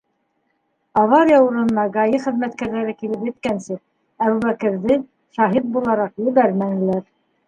Авария урынына ГАИ хеҙмәткәрҙәре килеп еткәнсе, Әбүбәкерҙе, шаһит булараҡ, ебәрмәнеләр.